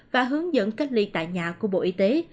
và hướng dẫn cách ly tại nhà của bộ y tế